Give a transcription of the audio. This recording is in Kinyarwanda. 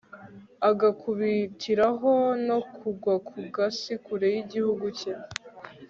agakubitiraho no kugwa ku gasi, kure y'igihugu cye